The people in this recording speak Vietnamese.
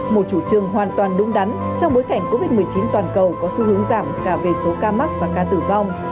một chủ trương hoàn toàn đúng đắn trong bối cảnh covid một mươi chín toàn cầu có xu hướng giảm cả về số ca mắc và ca tử vong